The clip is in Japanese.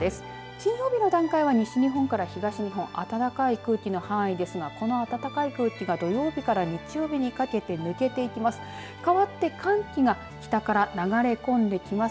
金曜日の段階は西日本から東日本暖かい空気の範囲ですがこの暖かい空気が土曜日から日曜日にかけて抜けていきます。